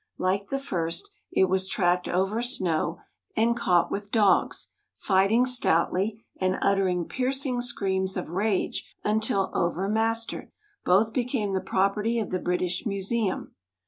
Like the first it was tracked over snow, and caught with dogs, fighting stoutly, and uttering piercing screams of rage until over mastered. Both became the property of the British museum.